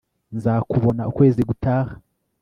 nzakubona ukwezi gutaha